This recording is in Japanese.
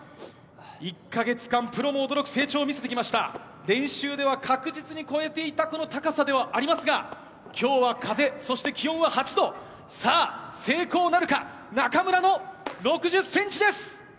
１か月間、プロも驚く成長を見せてきました、練習では確実に超えていたこの高さではありますが、きょうは風、そして気温は８度、さあ、成功なるか。どうかな。